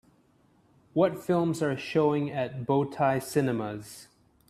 what films are showing at Bow Tie Cinemas